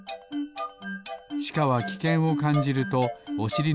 しかはきけんをかんじるとおしり